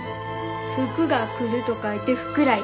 福が来ると書いて福来。